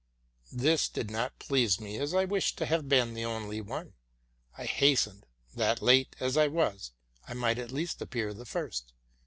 This did not please me, as I wished to have been the only one. I hastened, that, late as I was, | might at least appear the first.